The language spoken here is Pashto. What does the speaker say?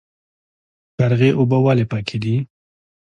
قرغې اوبه ولې پاکې دي؟